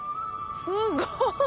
すごい！